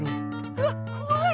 うわっこわい！